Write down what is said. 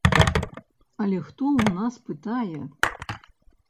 Але хто ў нас пытае?